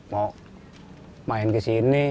mau main ke sini